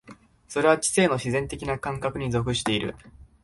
それは知性の自然的な感覚に属している。